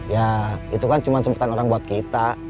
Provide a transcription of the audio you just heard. ya itu kan cuma sebutan orang buat kita